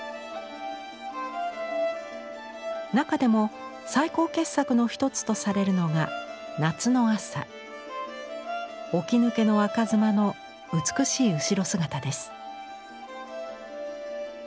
中でも最高傑作の一つとされるのが起き抜けの若妻の美しい後ろ姿です。